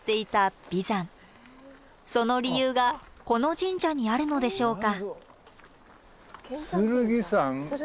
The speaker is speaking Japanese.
その理由がこの神社にあるのでしょうか？